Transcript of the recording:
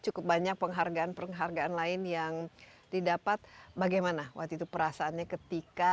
cukup banyak penghargaan penghargaan lain yang didapat bagaimana waktu itu perasaannya ketika